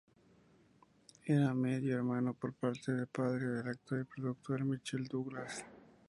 Era medio hermano por parte de padre del actor y productor Michael Douglas.